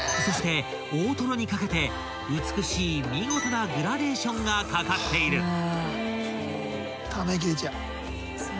［そして大トロにかけて美しい見事なグラデーションがかかっている］